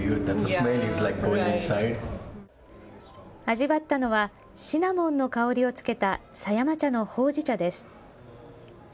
味わったのはシナモンの香りをつけた狭山茶のほうじ茶です。